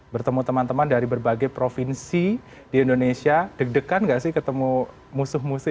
bertemu teman teman dari berbagai provinsi di indonesia deg degan gak sih ketemu musuh musuh